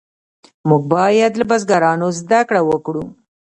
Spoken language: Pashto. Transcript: موږ باید له بزرګانو زده کړه وکړو.